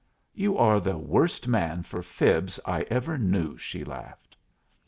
"You are the worst man for fibs I ever knew," she laughed.